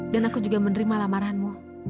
dan aku juga menerima lamaranmu